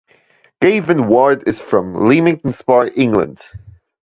Gavin Ward is from Leamington Spa, England.